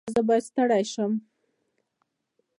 ایا زه باید ستړی شم؟